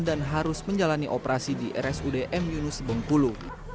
dan harus menjalani operasi di rsud m yunus bengpulu